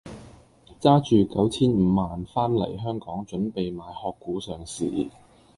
揸住九千五萬番黎香港準備買殼股上市。